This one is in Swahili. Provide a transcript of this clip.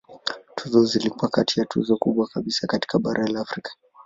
Tuzo hizo zilikuwa kati ya tuzo kubwa kabisa katika bara la Afrika.